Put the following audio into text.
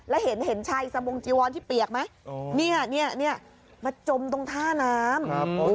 แล้วเห็นชายสมงจีวอนที่เปียกไหมเนี่ยมาจมตรงท่าน้ำ